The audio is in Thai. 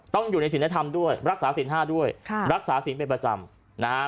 ต้องอยู่ในศิลธรรมด้วยรักษาศิลป์ห้าด้วยรักษาศิลป์เป็นประจำ